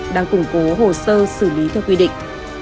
đang củng cố hồ sơ xử lý theo quy định